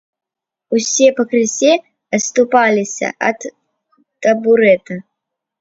Усе пакрысе адступаліся ад табурэта.